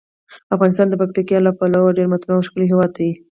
افغانستان د پکتیکا له پلوه یو ډیر متنوع او ښکلی هیواد دی.